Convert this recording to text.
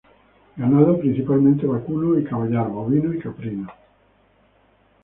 Ganado principalmente vacuno y caballar; bovino y caprino.